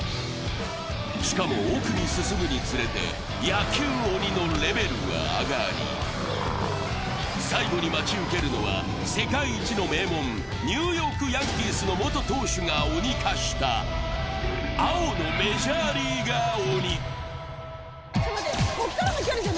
しかも、奥に進むにつれて、野球鬼のレベルは上がり、最後に待ち受けるのは世界一の名門、ニューヨーク・ヤンキースの元投手が鬼化した青のメジャーリーガー鬼。